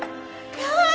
ya kak nur